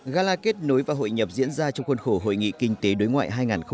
gala kết nối và hội nhập diễn ra trong khuôn khổ hội nghị kinh tế đối ngoại hai nghìn hai mươi